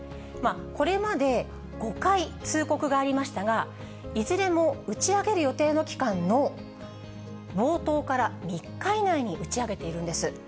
これまで５回、通告がありましたが、いずれも打ち上げる予定の期間の冒頭から３日以内に打ち上げているんです。